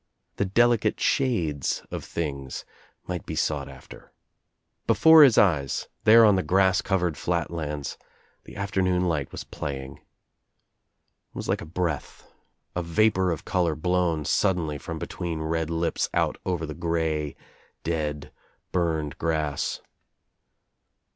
The deli cate shades of things might be sought after. Before his eyes, there on the grass covered flat lands, the ^afternoon light was playing. It was like a breath, a 212 THE TRIUMPH OF THE BGCI vapor of color blown suddenly from between red Upa out over the grey dead burned grass.